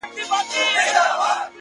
د طبیعت په تقاضاوو کي یې دل و ول کړم،